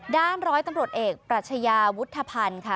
ด้านร้อยตำรวจเอกปรัชญาุฒภัณฑ์ค่ะ